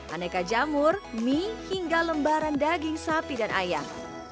aneka jamur mie hingga lembaran daging sapi dan ayam